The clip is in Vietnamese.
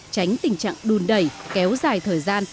tránh tình trạng đun đẩy kéo dài thời gian